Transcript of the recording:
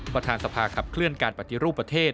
ประธานสภาขับเคลื่อนการปฏิรูปประเทศ